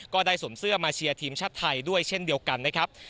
ก็ได้สวมเสื้อมาเชียร์ทีมชาติไทยด้วยเช่นเดียวกันนะครับ